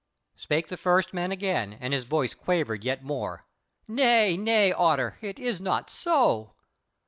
Spake the first man again, and his voice quavered yet more: "Nay nay, Otter, it is not so.